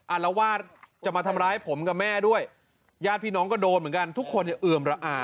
อารวาสจะมาทำร้ายผมกับแม่ด้วยญาติพี่น้องก็โดนเหมือนกันทุกคนเนี่ยเอือมระอา